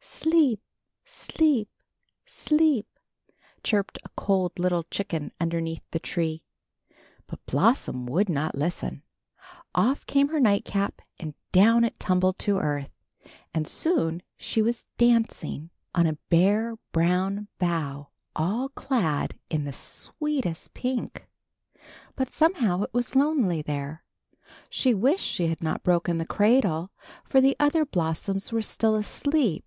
"Sleep, sleep, sleep," chirped a cold little chicken underneath the tree. But Blossom would not listen. Off came her nightcap and down it tumbled to earth, and soon she was dancing on a bare brown bough, all clad in the sweetest pink. But somehow it was lonely there. She wished she had not broken the cradle, for the other blossoms were still asleep.